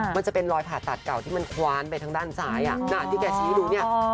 มันจะเป็นรอยผ่าตัดเก่าที่มันขวานไปทั้งด้านซ้ายอ่อน่ะที่ที่แกฉีกดูเนี่ย